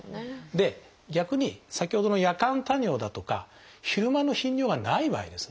逆に先ほどの夜間多尿だとか昼間の頻尿がない場合ですね